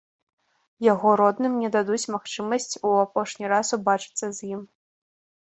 Яго родным не дадуць магчымасць ў апошні раз убачыцца з ім.